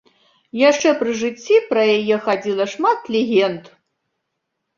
Яшчэ пры жыцці пра яе хадзіла шмат легенд.